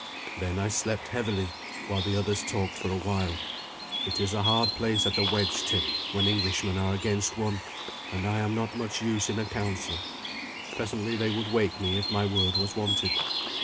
Then I slept heavily, while the others talked for a while. It is a hard place at a wedge tip when Englishmen are against one; and I am not much use in a council. Presently they would wake me if my word was wanted.